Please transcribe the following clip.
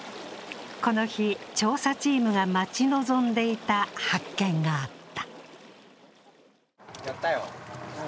この日、調査チームが待ち望んでいた発見があった。